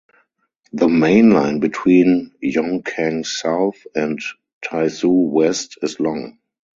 The mainline between Yongkang South and Taizhou West is long.